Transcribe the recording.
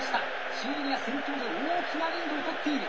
シーギリア先頭で大きなリードを取っている。